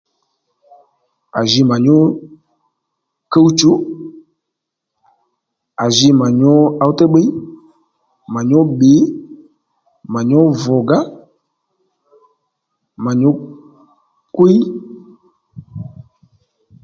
À ji mà nyǔ kúw-chu à ji mà nyǔ ǒw-téy bbiy mà nyǔ bbìy mà nyǔ vùgá mà nyǔ kwíy